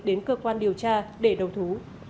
đến cơ quan điều tra để đầu thú